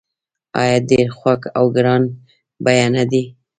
آیا ډیر خوږ او ګران بیه نه دي؟